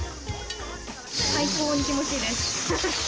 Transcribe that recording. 最高に気持ちいいです。